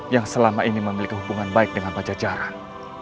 yang selama ini memiliki hubungan baik dengan pajajaran